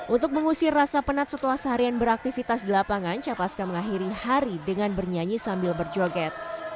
untuk mengusir rasa penat setelah seharian beraktivitas di lapangan capaska mengakhiri hari dengan bernyanyi sambil berjoget